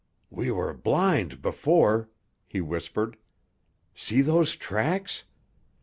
"We were blind before," he whispered. "See those tracks?